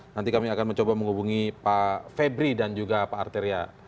nanti kami akan mencoba menghubungi pak febri dan juga pak arteria